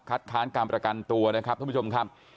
ค้านการประกันตัวนะครับท่านผู้ชมครับ